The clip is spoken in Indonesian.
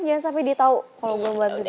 jangan sampai dia tau kalau gue ngebantu dia